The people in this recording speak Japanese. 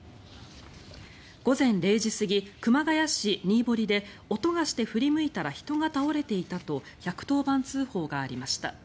午前０時過ぎ、熊谷市新堀で音がして振り向いたら人が倒れていたと１１０番通報がありました。